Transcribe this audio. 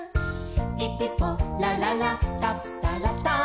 「ピピポラララタプタラタン」